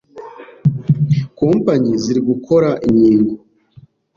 Kompanyi ziri gukora inkingo